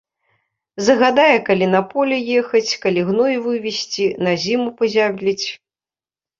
Загадае калі на поле ехаць, калі гной вывезці, на зіму пазябліць.